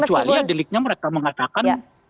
kecuali ya di linknya mereka mengatakan